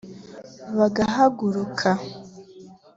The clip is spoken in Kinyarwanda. bagahaguruka